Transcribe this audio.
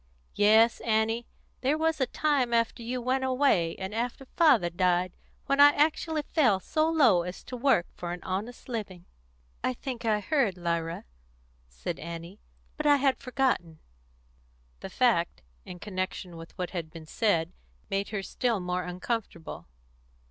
Yes, Annie, there was a time after you went away, and after father died, when I actually fell so low as to work for an honest living." "I think I heard, Lyra," said Annie; "but I had forgotten." The fact, in connection with what had been said, made her still more uncomfortable.